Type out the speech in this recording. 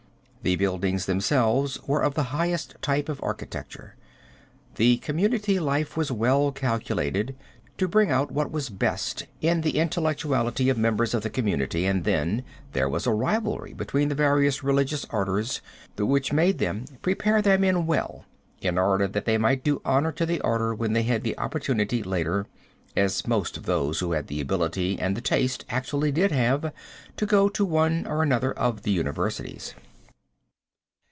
The buildings themselves were of the highest type of architecture; the community life was well calculated to bring out what was best in the intellectuality of members of the community, and, then, there was a rivalry between the various religious orders which made them prepare their men well in order that they might do honor to the order when they had the opportunity later, as most of those who had the ability and the taste actually did have, to go to one or other of the universities.